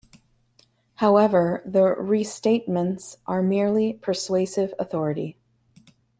However, the Restatements are merely persuasive authority.